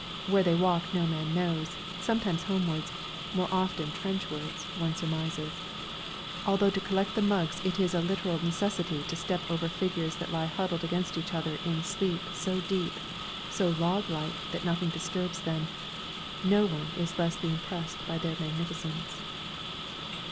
Where they walk to no man knows sometimes homewards, more often trenchwards, one surmises), although to collect the mugs it is a literal necessity to step over figures that lie huddled against each other in a sleep so deep, so log like, that nothing disturbs them, one is none the less impressed by their magnificence.